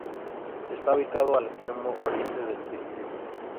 Está ubicado al extremo oriente del distrito.